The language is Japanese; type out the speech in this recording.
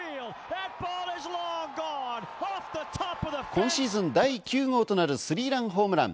今シーズン第９号となるスリーランホームラン。